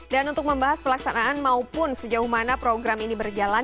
dan untuk membahas pelaksanaan maupun sejauh mana program ini berjalan